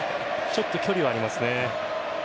ちょっと距離はありますね。